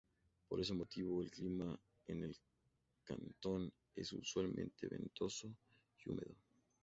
Por ese motivo, el clima en el cantón es usualmente ventoso y húmedo.